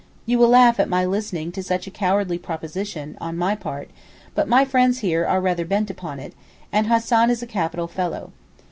You will laugh at my listening to such a cowardly proposition (on my part) but my friends here are rather bent upon it, and Hassan is a capital fellow.